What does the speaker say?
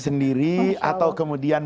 sendiri atau kemudian